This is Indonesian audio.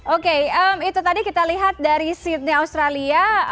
oke itu tadi kita lihat dari sydney australia